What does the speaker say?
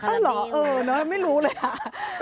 เอ้อเหรอไม่รู้เลยฮะ